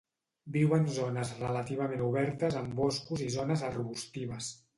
Viu en zones relativament obertes amb boscos i zones arbustives.